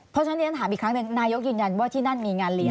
เพราะฉะนั้นเรียนถามอีกครั้งหนึ่งนายกยืนยันว่าที่นั่นมีงานเลี้ย